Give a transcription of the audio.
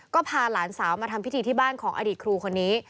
ก็พาหลานสาวมาทำพิธีที่บ้านของอดีตครูคนนี้